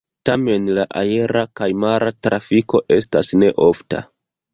Tamen la aera kaj mara trafiko estas ne ofta.